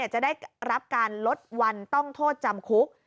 จะได้รับการลดวันต้องโทษจำคุก